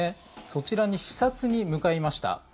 そちらに視察に向かいました。